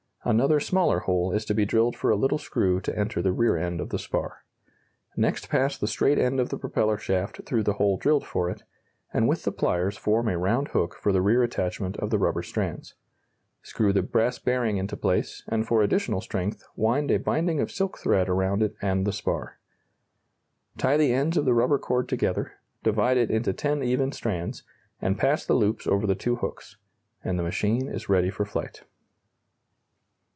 Another smaller hole is to be drilled for a little screw to enter the rear end of the spar. Next pass the straight end of the propeller shaft through the hole drilled for it, and with the pliers form a round hook for the rear attachment of the rubber strands. Screw the brass bearing into place, and for additional strength, wind a binding of silk thread around it and the spar. Tie the ends of the rubber cord together, divide it into ten even strands, and pass the loops over the two hooks and the machine is ready for flight.